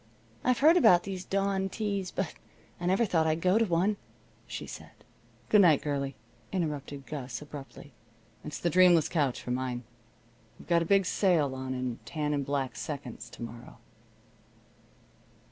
I've heard about these dawn teas, but I never thought I'd go to one," she said. "Good night, girlie," interrupted Gus, abruptly. "It's the dreamless couch for mine. We've got a big sale on in tan and black seconds to morrow."